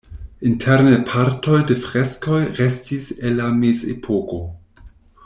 Interne partoj de freskoj restis el la mezepoko.